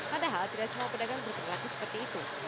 padahal tidak semua pedagang berperilaku seperti itu